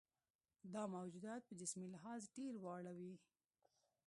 دا موجودات په جسمي لحاظ ډېر واړه وي.